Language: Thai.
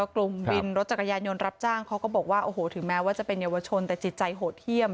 กลุ่มวินรถจักรยานยนต์รับจ้างเขาก็บอกว่าโอ้โหถึงแม้ว่าจะเป็นเยาวชนแต่จิตใจโหดเยี่ยม